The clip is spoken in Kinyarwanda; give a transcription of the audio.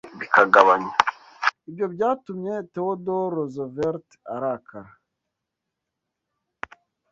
Ibyo byatumye Theodore Roosevelt arakara.